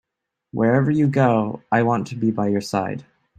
Wherever you go, I want to be by your side.